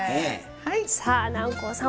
さあ南光さん